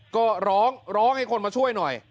ก็ร้องร้องให้คนมาช่วยหน่อย